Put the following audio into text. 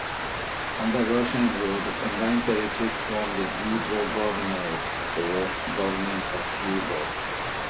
Under Russian rule the combined territories formed the Vyborg Governorate, or Government of Vyborg.